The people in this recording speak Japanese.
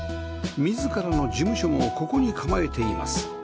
自らの事務所もここに構えています